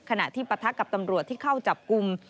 ขณะที่ปะทะกับตำรวจที่เข้าจับกลุ่ม